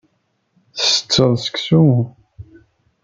Ttetteḍ seksu?